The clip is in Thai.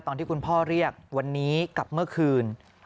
ตอนที่คุณพ่อเรียกวันนี้กับเมื่อคืน